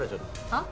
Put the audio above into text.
はっ？